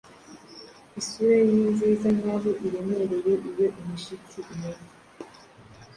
Isura ye ni nziza nkaho iremereye Iyo imishitsi imeze